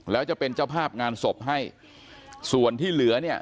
แล้วจะเป็นเจ้าภาพงานศพให้ส่วนที่เหลือเนี่ย